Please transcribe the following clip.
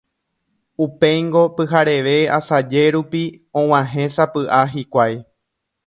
Upéingo, pyhareve asaje rupi, og̃uahẽsapy'a hikuái.